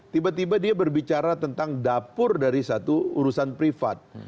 tiba tiba dia berbicara tentang dapur dari satu urusan privat